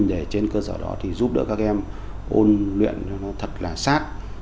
để trên cơ sở đó thì giúp đỡ các em ôn luyện cho nó thật là sát